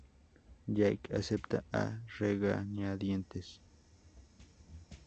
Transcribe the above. Jake acepta a regañadientes.